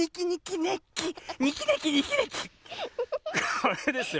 これですよ。